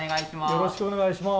よろしくお願いします。